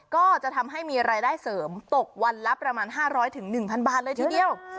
ก็จะทำให้มีรายได้เสริมตกวันละประมาณ๕๐๐๑๐๐บาทเลยทีเดียว